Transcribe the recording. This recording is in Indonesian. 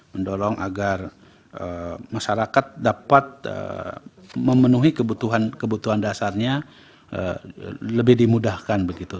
mendorong agar masyarakat dapat memenuhi kebutuhan kebutuhan dasarnya lebih dimudahkan begitu